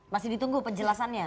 masih ditunggu penjelasannya